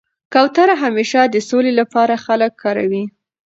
کوتره همېشه د سولي له پاره خلک کاروي.